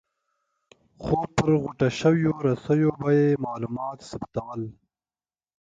خو پر غوټه شویو رسیو به یې معلومات ثبتول.